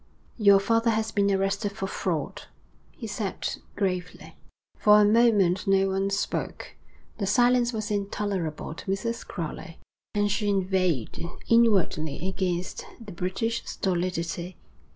'Your father has been arrested for fraud,' he said gravely. For a moment no one spoke. The silence was intolerable to Mrs. Crowley, and she inveighed inwardly against the British stolidity.